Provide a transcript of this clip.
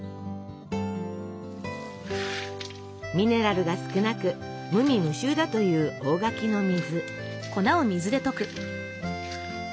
ミネラルが少なく無味無臭だという大垣の水。